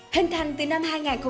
hình thành từ năm hai nghìn bảy